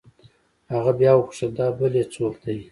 هغه بيا وپوښتل دا بل يې سوک دې.